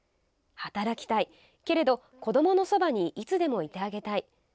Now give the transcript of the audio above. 働きたい、けれど子どものそばにいつでもいてあげたい。